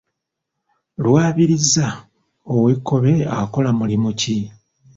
Lwabiriza ow’e Kkobe akola mulimu ki?